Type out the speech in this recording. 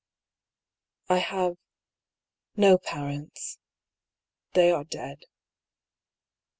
I have no parents. They are dead."